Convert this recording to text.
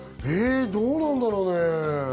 どうなんだろうね。